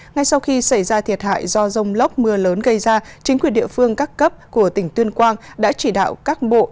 ngay sau khi xảy ra thiệt hại do rông lốc mưa lớn gây ra chính quyền địa phương các cấp của tỉnh tuyên quang đã chỉ đạo các bộ